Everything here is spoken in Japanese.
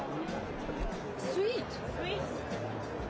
スイート。